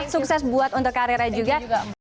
sukses buat untuk karirnya juga